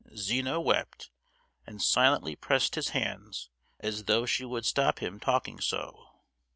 Zina wept, and silently pressed his hands, as though she would stop him talking so.